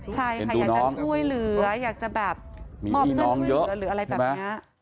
ใช่ค่ะอยากจะช่วยเหลืออยากจะแบบมอบเงินช่วยเหลือหรืออะไรแบบนี้